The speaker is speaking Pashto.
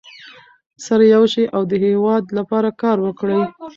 سره یو شئ او د هېواد لپاره کار وکړئ.